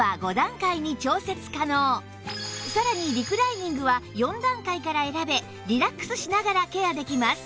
さらにリクライニングは４段階から選べリラックスしながらケアできます